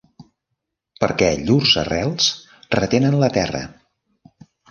Perquè llurs arrels retenen la terra.